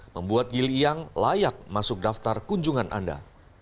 membuat gili yang layak masuk daftar kunjungan anda